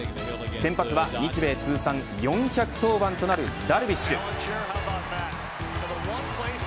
先発は日米通算４００登板となるダルビッシュ。